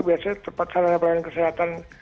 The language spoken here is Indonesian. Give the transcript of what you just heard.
biasanya tepat salah melakukan kesehatan